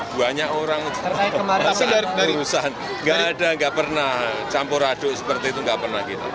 banyak orang yang berurusan gak ada gak pernah campur aduk seperti itu gak pernah gitu